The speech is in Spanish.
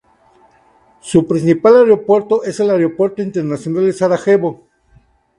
Su principal aeropuerto es el Aeropuerto Internacional de Sarajevo.